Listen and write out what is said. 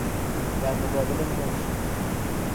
در مقابل مشت